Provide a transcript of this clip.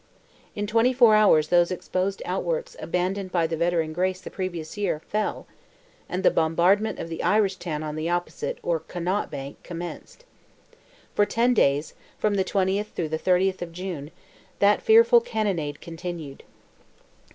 In twenty four hours those exposed outworks abandoned by the veteran Grace the previous year, fell, and the bombardment of the Irish town on the opposite or Connaught bank, commenced. For ten days—from the 20th to the 30th of June—that fearful cannonade continued.